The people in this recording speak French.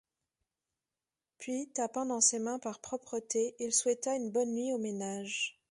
Puis, tapant dans ses mains par propreté, il souhaita une bonne nuit au ménage.